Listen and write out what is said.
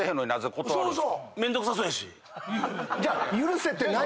えっ？じゃあ許せてない。